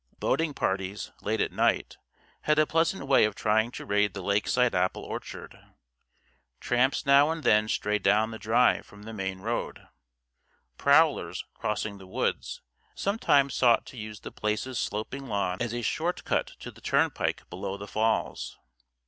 Boating parties, late at night, had a pleasant way of trying to raid the lakeside apple orchard. Tramps now and then strayed down the drive from the main road. Prowlers, crossing the woods, sometimes sought to use The Place's sloping lawn as a short cut to the turnpike below the falls.